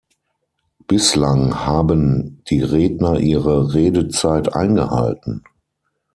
Bislang habe die Redner ihre Redezeit eingehalten.